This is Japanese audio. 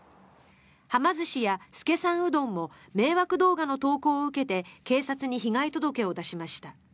はま寿司や資さんうどんも迷惑動画の投稿を受けて警察に被害届を出しました。